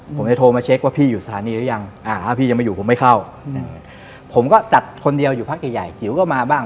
ผมจะโทรมาเช็คว่าพี่อยู่สถานีหรือยัง